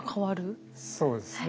そうですね。